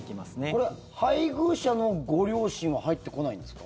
これは配偶者のご両親は入ってこないんですか？